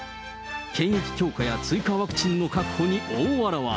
検疫強化や追加ワクチンの確保に大わらわ。